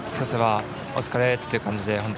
お疲れっていう感じで。